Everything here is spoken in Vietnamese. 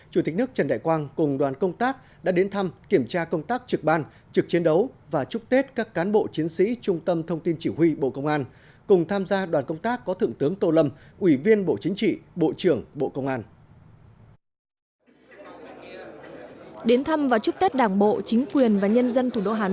chủ tịch nước trần đại quang cùng đoàn công tác đã đến thăm kiểm tra công tác trực ban trực chiến đấu và chúc tết các cán bộ chiến sĩ trung tâm thông tin chỉ huy bộ công an cùng tham gia đoàn công tác có thượng tướng tô lâm ủy viên bộ chính trị bộ trưởng bộ công an